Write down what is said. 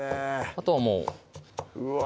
あとはもううわ